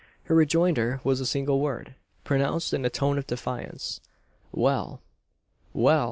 Her rejoinder was a single word, pronounced in a tone of defiance. "Well!" "Well!"